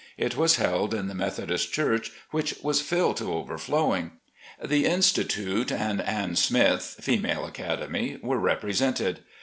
It was held in the Methodist church, which was filled to overfiowing. The Institute and Ann Smith [Female Academy] were represented.